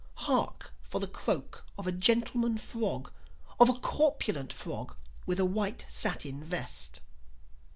Hark for the croak of a gentleman frog, Of a corpulent frog with a white satin vest.